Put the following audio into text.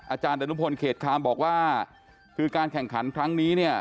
อาจารย์ดนุพลเขตคามบอกว่าคือการแข่งขันครั้งนี้เนี่ย